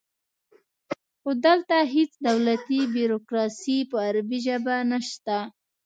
خو دلته هیڅ دولتي بیروکراسي په عربي نشته دی